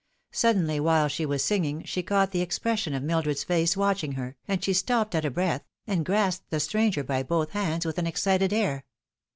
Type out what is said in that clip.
Suddenly while she was singing she caught the expression of Mildred's face watching her, and she stopped at a breath, and grasped the stranger by both hands with an excited air.